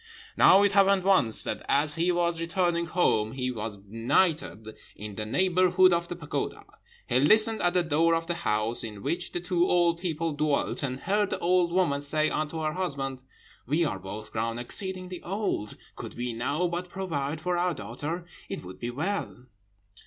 "Now it happened once, that as he was returning home he was benighted in the neighbourhood of the pagoda. He listened at the door of the house in which the two old people dwelt, and heard the old woman say unto her husband, 'We are both grown exceedingly old; could we now but provide for our daughter, it would be well.'